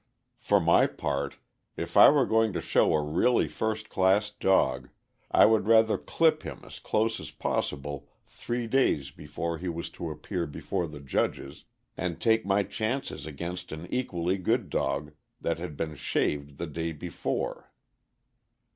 For my part, if I were going to show a really first class dog, I would rather clip him as close as possible three days before he was to appear before the judges, and take my chances against an equally good dog that had been shaved the day before.